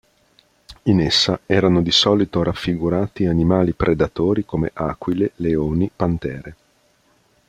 In essa erano di solito raffigurati animali predatori come aquile, leoni, pantere.